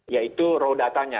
yaitu raw datanya